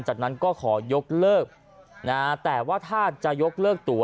จากนั้นก็ขอยกเลิกนะฮะแต่ว่าถ้าจะยกเลิกตัว